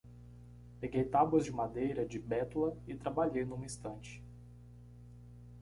Peguei tábuas de madeira de bétula e trabalhei numa estante.